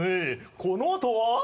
このあとは。